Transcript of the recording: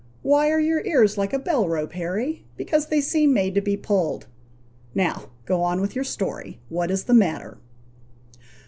Why are your ears like a bell rope, Harry? because they seem made to be pulled. Now, go on with your story. What is the matter?"